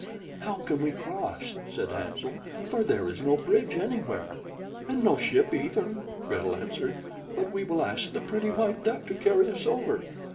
"How can we cross," said Hansel, "for there is no bridge anywhere?" "And no ship either," Gretel answered; "but we will ask the pretty white duck to carry us over."